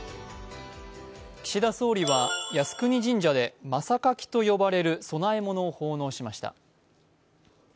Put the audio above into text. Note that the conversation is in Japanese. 岸田総理は靖国神社で、まさかきと呼ばれる供え物を奉納しました。